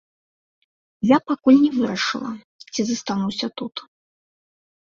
Я пакуль не вырашыла, ці застануся тут.